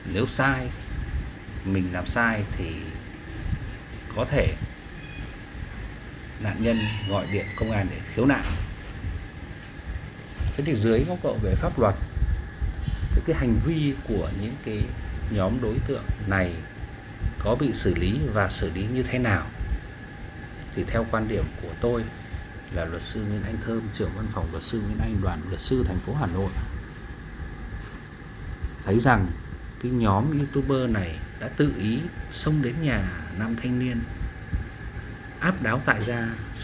nếu sai thì có thể là nạn nhân thì gọi điện công an để khiếu términ ra